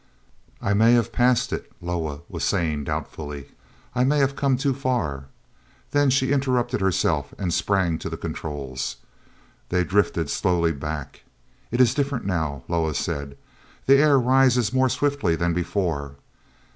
"I may have passed it," Loah was saying doubtfully. "I may have come too far." Then she interrupted herself and sprang to the controls. They drifted slowly back. "It is different now," Loah said; "the air rises more swiftly than before."